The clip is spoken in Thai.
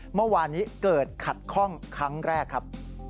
เมื่อวานนี้เกิดขัดข้องครั้งแรกครับ